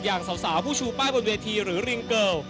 อย่างสาวผู้ชูป้ายบนเวทีหรือริงเกิล